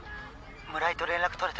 ☎村井と連絡取れた？